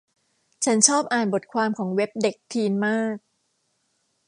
ฉันชอบอ่านบทความของเว็บเด็กทีนมาก